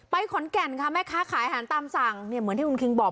ขอนแก่นค่ะแม่ค้าขายอาหารตามสั่งเนี่ยเหมือนที่คุณคิงบอก